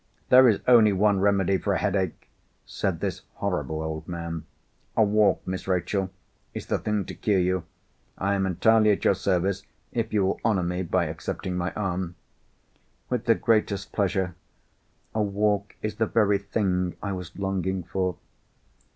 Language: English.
"There is only one remedy for a headache," said this horrible old man. "A walk, Miss Rachel, is the thing to cure you. I am entirely at your service, if you will honour me by accepting my arm." "With the greatest pleasure. A walk is the very thing I was longing for."